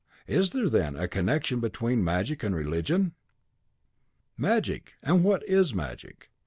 Is there, then, a connection between magic and religion?" "Magic!" And what is magic!